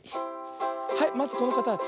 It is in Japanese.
はいまずこのかたち。